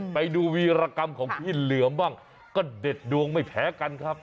ไปดูวีรกรรมของพี่เหลือมบ้างก็เด็ดดวงไม่แพ้กันครับ